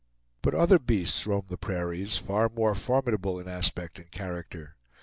But other beasts roam the prairies, far more formidable in aspect and in character.